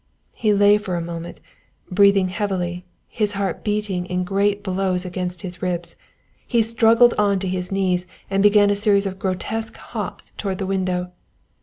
He lay for a moment, breathing heavily, his heart beating in great blows against his ribs. He struggled on to his knees and began a series of grotesque hops towards the window.